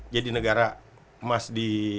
jadi negara emas di